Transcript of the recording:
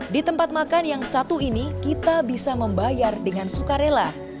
di tempat makan yang satu ini kita bisa membayar dengan sukarela